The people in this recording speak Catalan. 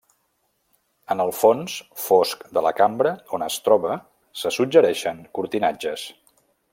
En el fons fosc de la cambra on es troba se suggereixen cortinatges.